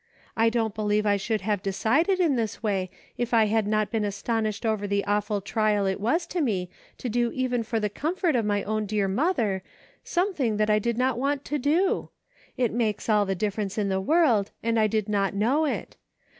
I don't believe I should have decided in this way if I had not been astonished over the awful trial it was to me to do even for the comfort of my own dear mother, some thing that I did not want to do ! It makes all the difference in the world, and I did not know it.